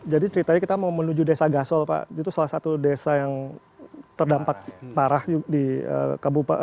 jadi ceritanya kita mau menuju desa gasol pak itu salah satu desa yang terdampak parah di kebupak di kecamatan cugenang